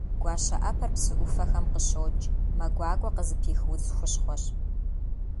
Гуащэӏэпэр псы ӏуфэхэм къыщокӏ, мэ гуакӏуэ къызыпих удз хущхъуэщ.